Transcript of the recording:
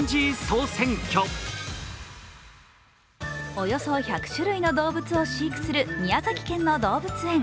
およそ１００種類の動物を飼育する宮崎県の動物園。